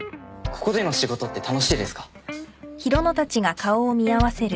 ここでの仕事って楽しいですか？